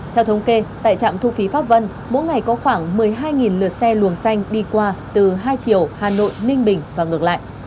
theo thống kê tại trạm thu phí pháp vân mỗi ngày có khoảng một mươi hai lượt xe luồng xanh đi qua từ hai chiều hà nội ninh bình và ngược lại